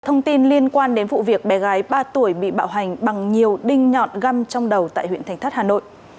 thông tin liên quan đến vụ việc bé gái ba tuổi bị bạo hành bằng nhiều đinh nhọn găm trong đầu tại huyện thành thất hà nội